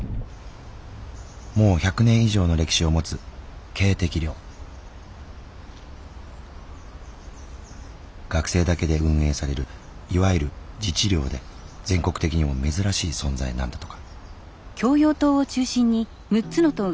もう１００年以上の歴史を持つ学生だけで運営されるいわゆる自治寮で全国的にも珍しい存在なんだとか。